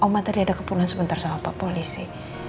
ma tadi oma ada kebunuhan sebentar sama pak polisi